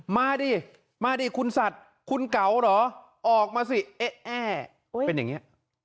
มาดิมาดิคุณสัตว์คุณเก๋าเหรอออกมาสิเอ๊ะแอ้เป็นอย่างนี้